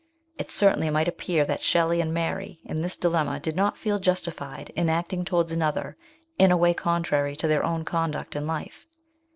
It certainly might appear that Shelley and Mary in this dilemma did not feel justified in acting towards another in a way contrary to their own conduct in life.